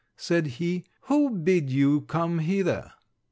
said he, 'who bid you come hither?'